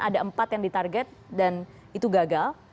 ada empat yang ditarget dan itu gagal